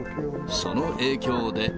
その影響で。